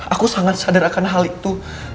aku sangat sadar akan hal itu